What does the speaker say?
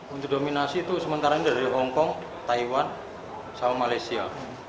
untuk dominasi itu sementara ini dari hongkong taiwan sama malaysia